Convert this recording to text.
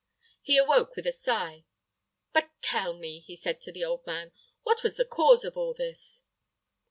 He awoke with a sigh. "But tell me," said he to the old man, "what was the cause of all this?"